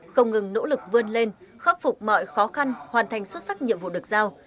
không ngừng nỗ lực vươn lên khắc phục mọi khó khăn hoàn thành xuất sắc nhiệm vụ được giao